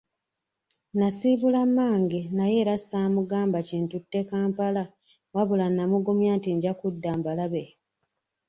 Nasiibula mmange naye era ssaamugamba kintutte Kampala wabula namugumya nti nja kudda mbalabe.